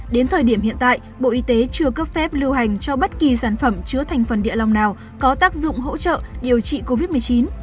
đến thời điểm hiện tại bộ y tế chưa cấp phép lưu hành cho bất kỳ sản phẩm chứa thành phần địa lòng nào có tác dụng hỗ trợ điều trị covid một mươi chín